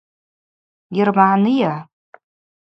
Йырмагӏныйа?